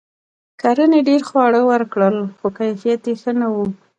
کرنې ډیر خواړه ورکړل؛ خو کیفیت یې ښه نه و.